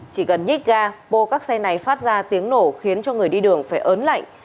chỉ gần nhích ga bồ các xe này phát ra tiếng nổ khiến cho người đi đường phải ớn lạnh